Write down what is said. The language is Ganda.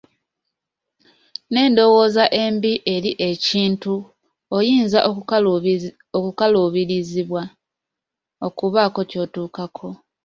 N'endowooza embi eri ekintu, oyinza okukaluubirizibwa okubaako ky'otuukako.